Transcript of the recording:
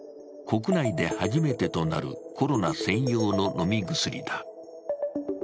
国内で初めてとなるコロナ専用の飲み薬だ。